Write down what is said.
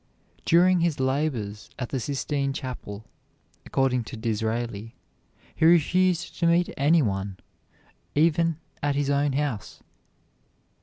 During his labors at the Sistine Chapel, according to Disraeli, he refused to meet any one, even at his own house.